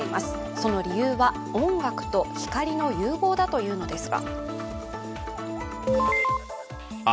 その理由は、音楽と光の融合だというのですが。